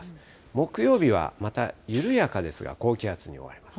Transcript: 木曜日はまた緩やかですが、高気圧に覆われます。